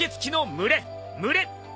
群れ。